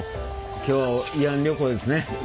今日は慰安旅行ですね。